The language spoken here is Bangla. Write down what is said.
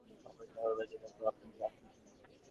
আমাকে প্রশ্ন করবার জন্যে তো আপনাকে আনি নি।